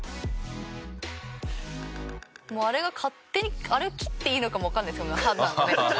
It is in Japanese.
もうあれが勝手にあれを切っていいのかもわかんないですけどね判断がね。